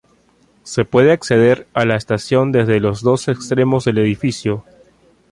Se puede acceder a la estación desde los dos extremos del edificio.